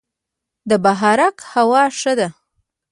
د بهارک هوا ښه ده